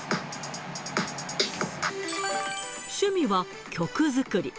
趣味は曲作り。